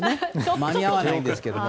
間に合わないんですけれども。